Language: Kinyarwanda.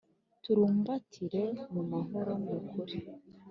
Turubumbatire mu mahoro, mu kuri,